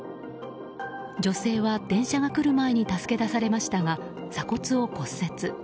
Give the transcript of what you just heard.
女性は電車が来る前に助け出されましたが、鎖骨を骨折。